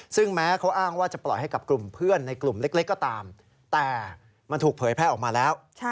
ซึ่งแม้เขาอ้างว่าจะปล่อยให้กับกลุ่มเพื่อนในกลุ่มเล็กก็ตามแต่มันถูกเผยแพร่ออกมาแล้ว